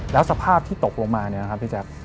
แล้วสภาพที่ตกลงมาเนี่ยนะครับพี่แจ๊ค